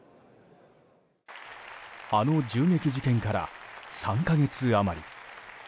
あの銃撃事件から３か月余り。